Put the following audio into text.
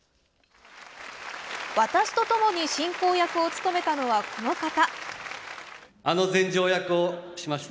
私とともに進行役を務めたのはこの方。